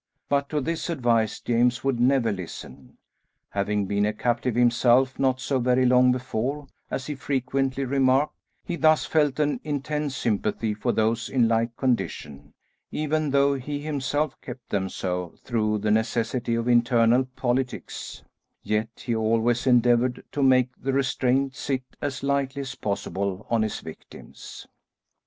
But to this advice James would never listen. Having been a captive himself not so very long before, as he frequently remarked, he thus felt an intense sympathy for those in like condition, even though he himself kept them so through the necessity of internal politics, yet he always endeavoured to make the restraint sit as lightly as possible on his victims.